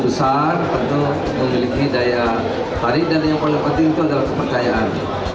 untuk memiliki daya harian dan yang paling penting adalah kepercayaan